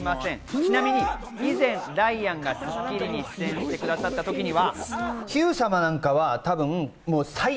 ちなみに以前、ライアンが『スッキリ』に出演してくださった時には。